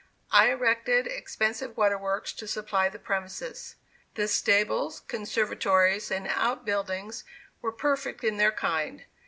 I erected expensive water works to supply the premises. The stables, conservatories and out buildings were perfect in their kind.